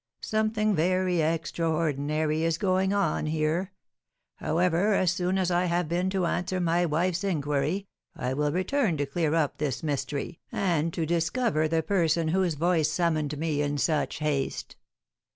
Something very extraordinary is going on here. However, as soon as I have been to answer my wife's inquiry, I will return to clear up this mystery, and to discover the person whose voice summoned me in such haste."